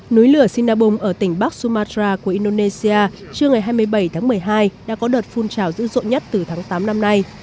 núi lửa sinabum ở tỉnh bắc sumatra của indonesia trưa ngày hai mươi bảy tháng một mươi hai đã có đợt phun trào dữ dội nhất từ tháng tám năm nay